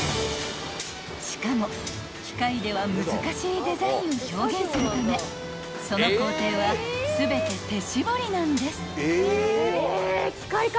［しかも機械では難しいデザインを表現するためその工程は全て手絞りなんです］